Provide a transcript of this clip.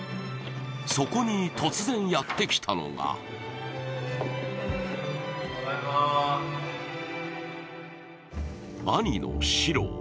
そこに突然やってきたのが兄の史朗。